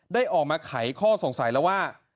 ได้ออกมาไขข้อสงสัยแล้วว่า